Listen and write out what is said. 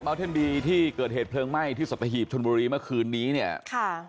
เทนบีที่เกิดเหตุเพลิงไหม้ที่สัตหีบชนบุรีเมื่อคืนนี้เนี่ยค่ะ